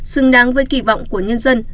xứng đáng với kỳ vọng của nhân dân